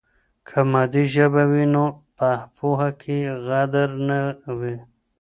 که مادي ژبه وي نو په پوهه کې غدر نه وي.